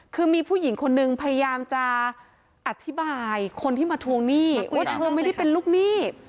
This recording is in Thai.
คือมีผู้หญิงคนนึงพยายามจะอธิบายคนที่มาทวงหนี้ว่าเธอไม่ได้เป็นลูกหนี้